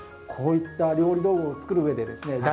こういった料理道具を作る上でですね